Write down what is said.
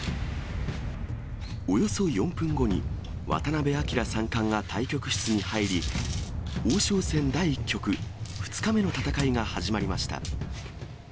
およそ４分後に、渡辺明三冠が対局室に入り、王将戦第１局、２日目の戦いが始まりました。